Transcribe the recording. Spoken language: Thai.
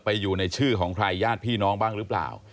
อยู่ในชื่อของใครญาติพี่น้องบ้างหรือเปล่า